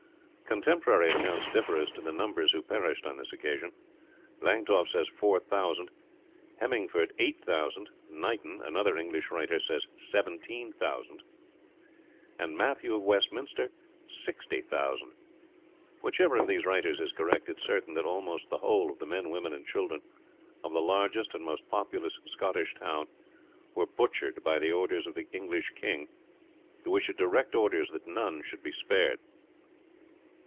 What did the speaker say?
Contemporary accounts differ as to the numbers who perished on this occasion. Langtoff says 4000; Hemingford, 8000; Knighton, another English writer, says 17,000; and Matthew of Westminster, 60,000. Whichever of these writers is correct, it is certain that almost the whole of the men, women, and children of the largest and most populous Scottish town were butchered by the orders of the English king, who issued direct orders that none should be spared.